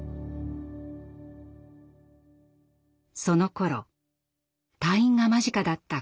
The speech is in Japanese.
そのころ退院が間近だった